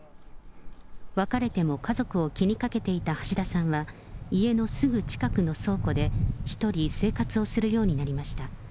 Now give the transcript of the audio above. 別れても家族を気にかけていた橋田さんは、家のすぐ近くの倉庫で１人、生活をするようになりました。